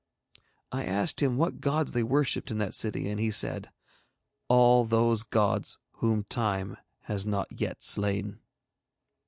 I asked him what gods they worshipped in that city, and he said, 'All those gods whom Time has not yet slain.'